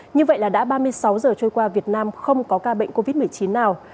như vậy là đã ba mươi sáu giờ trôi qua việt nam không có ca bệnh covid một mươi chín nào